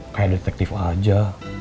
kayak detektif aja